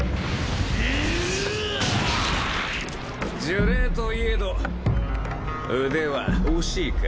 呪霊といえど腕は惜しいか。